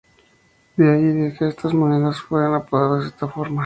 De ahí que estas monedas fueran apodadas de esa forma.